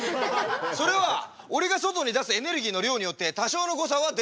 それは俺が外に出すエネルギーの量によって多少の誤差は出てくる。